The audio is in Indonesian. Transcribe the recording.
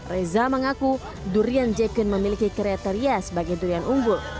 reza mengaku durian jacoin memiliki kriteria sebagai durian unggul